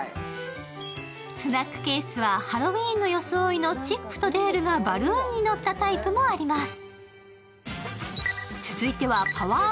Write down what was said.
スナックケースはハロウィーンの装いのチップとデールがバルーンに乗ったタイプもあります。